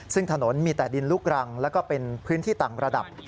ซึ่งถนนมีแต่ดินลูกรังแล้วก็เป็นพื้นที่ต่างระดับ